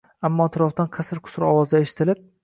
ammo atrofdan qasir-qusur ovozlar eshitilib